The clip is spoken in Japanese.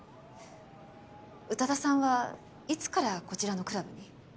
宇多田さんはいつからこちらのクラブに？